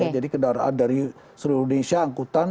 jadi dari seluruh indonesia angkutan